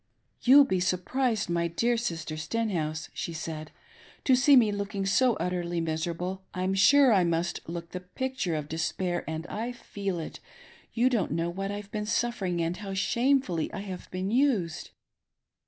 "You'll be surprised, my (dear Sister Stenhouse," she sai(i " to see me looking so Utterly, miserable. I'm sure I must l^ok the picture of dteSpalr, and I feel it. You don't know 586 "HE DID IT ON purpose!" what I've been suffering, and how shamefully I have been used."